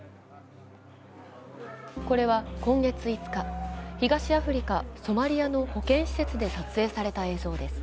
これは今月５日、東アフリカ・ソマリアの保健施設で撮影された映像です。